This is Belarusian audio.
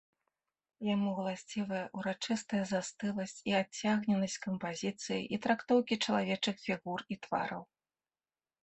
Яму ўласцівая ўрачыстая застыласць і адцягненасць кампазіцыі і трактоўкі чалавечых фігур і твараў.